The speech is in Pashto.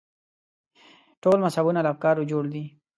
ټول مذهبونه له افکارو جوړ دي.